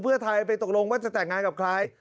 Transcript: เพื่อไทยไปตกลงว่าจะแต่งงานกับใคร